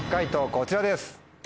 こちらです。